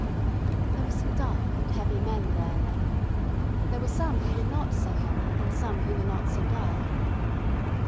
There were some dark and heavy men there then. There were some who were not so heavy and some who were not so dark.